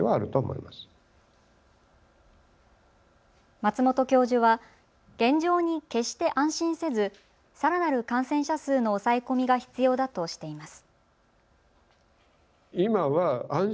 松本教授は現状に決して安心せず、さらなる感染者数の抑え込みが必要だとしています。